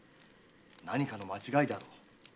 何かの間違いであろう。